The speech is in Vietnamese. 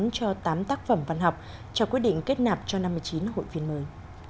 cho tám tác phẩm văn học cho quyết định kết nạp cho năm một mươi chín hội phiên mới